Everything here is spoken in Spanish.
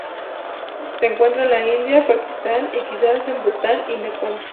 Se encuentra en la India, Pakistán y, quizá en Bután y Nepal.